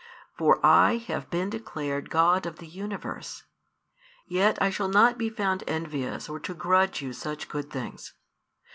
For I have been declared God of the universe, yet I shall not be found envious or to grudge you such good things.